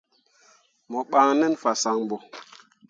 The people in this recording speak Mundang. Mo ɓan nen fahsǝŋ ɗo.